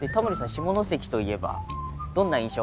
下関といえばどんな印象が？